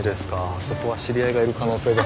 あそこは知り合いがいる可能性が。